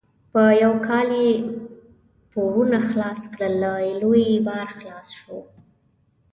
په یو کال یې پورونه خلاص کړل؛ له لوی باره خلاص شو.